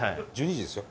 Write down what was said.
１２時ですよ。